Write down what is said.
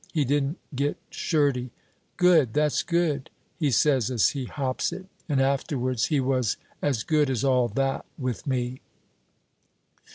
He didn't get shirty; 'Good, that's good,' he says as he hops it, and afterwards he was as good as all that, with me."